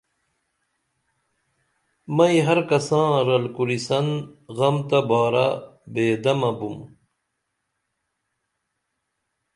مئیں ہر کساں رل کُریسن غم تہ بارہ بے دمہ بُم